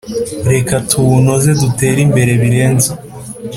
Reka tuwunoze dutere imbere birenze.